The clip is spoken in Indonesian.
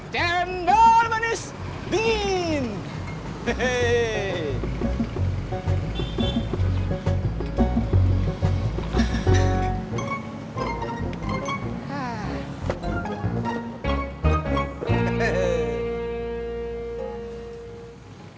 cendol manis dingin